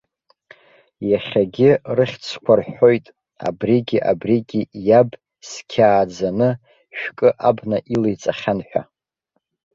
Иахьагьы рыхьӡқәа рҳәоит, абригьы абригьы иаб зқьы ааӡаны, шәкы абна илеиҵахьан ҳәа.